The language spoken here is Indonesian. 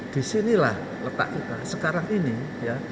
disinilah letak kita sekarang ini ya